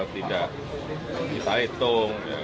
tidak kita hitung